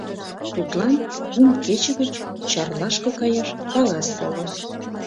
Тудлан кум кече гыч Чарлашке каяш кагаз толын.